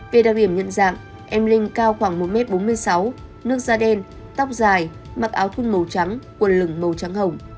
về đặc điểm nhận dạng em linh cao khoảng một m bốn mươi sáu nước da đen tóc dài mặc áo thun màu trắng quần lửng màu trắng hồng